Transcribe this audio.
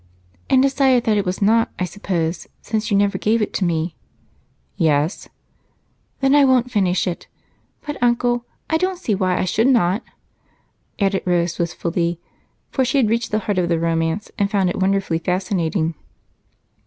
"And decided that it was not, I suppose, since you never gave it to me!" "Yes." "Then I won't finish it. But, Uncle, I don't see why I should not," added Rose wistfully, for she had reached the heart of the romance and found it wonderfully fascinating.